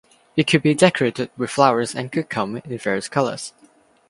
It could be decorated with flowers and could come in various colours.